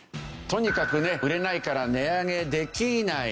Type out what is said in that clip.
とにかくね売れないから値上げできない。